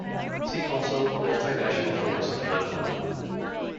See also Multinational Force in Lebanon.